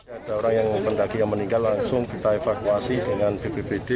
ada orang yang pendaki yang meninggal langsung kita evakuasi dengan bpbd